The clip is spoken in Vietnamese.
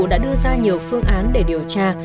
đã đưa ra nhiều phương án để điều tra